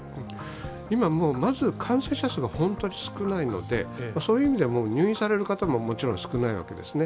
今、まず感染者数が本当に少ないのでそういう意味で、入院される方ももちろん少ないわけですね。